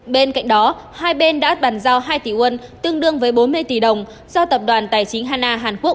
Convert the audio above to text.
bên cạnh đó hai bên đã bàn giao hai tỷ won tương đương với bốn mươi tỷ đồng do tập đoàn tài chính hana hàn quốc